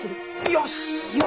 よし！